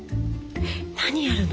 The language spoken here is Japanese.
何やるの？